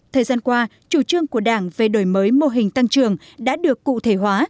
thời gian qua chủ trương của đảng về đổi mới mô hình tăng trường đã được cụ thể hóa